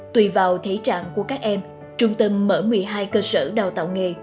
tùy vào thế trạng của các em trung tâm mở một mươi hai cơ sở đào tạo nghề